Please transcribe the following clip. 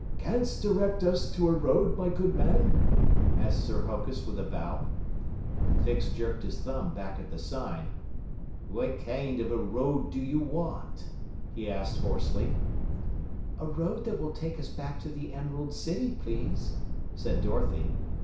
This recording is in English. "Can'st direct us to a road, my good man?" asked Sir Hokus with a bow. The Fix jerked his thumb back at the sign. "What kind of a road to you want?" he asked hoarsely. "A road that will take us back to the Emerald City, please," said Dorothy.